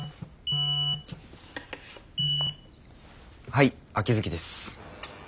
はい秋月です。